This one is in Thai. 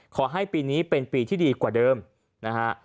ขอให้ปีนี้เป็นปีที่ดีกว่าเดิมนะฮะ